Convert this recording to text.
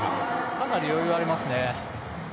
かなり余裕がありますね。